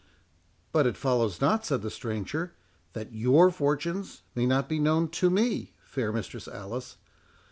"But it follows not," said the stranger, "that your fortunes may not be known to me, fair Mistress Alice.